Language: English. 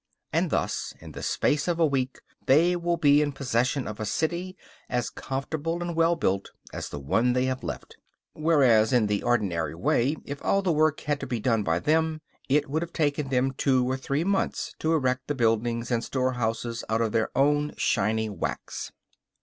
And thus, in the space of a week, they will be in possession of a city as comfortable and well built as the one they have left; whereas, in the ordinary way, if all the work had had to be done by them, it would have taken them two or three months to erect the buildings and storehouses out of their own shining wax.